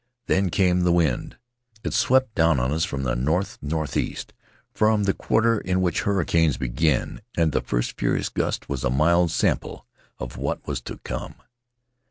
Then came the wind. "It swept down on us from the north northeast, from the quarter in which hurricanes begin — and the first furious gust was a mild sample of what was to come.